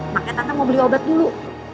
makanya tante mau beli obat dulu